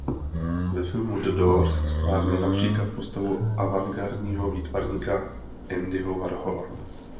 Ve filmu "The Doors" ztvárnil například postavu avantgardního výtvarníka Andyho Warhola.